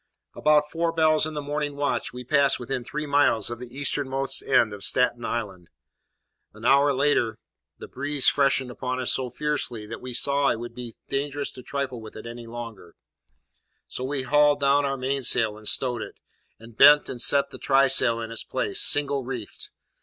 About four bells in the morning watch, we passed within three miles of the easternmost end of Staten Island. An hour later, the breeze freshened upon us so fiercely that we saw it would be dangerous to trifle with it any longer; so we hauled down our mainsail and stowed it; and bent and set the trysail in its place, single reefed.